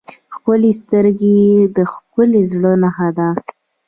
ښکلي سترګې د ښکلي زړه نښه ده.